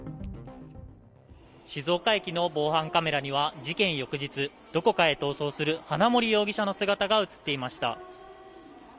静岡駅の防犯カメラには、事件翌日、どこかへ逃走する花森容疑者の姿が写っていました。